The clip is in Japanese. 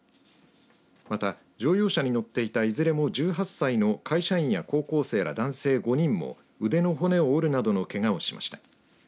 また乗用車に乗っていたいずれも１８歳の会社員や高校生ら男性５人も腕の骨を折るなどのけがをしました。